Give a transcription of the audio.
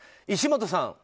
石本さん。